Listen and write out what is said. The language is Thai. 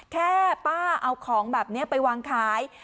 แค่ป้าเอาของแบบนี้ไปวางขาย